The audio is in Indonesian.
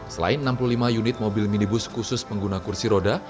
selain enam puluh lima unit mobil minibus khusus pengguna kursi roda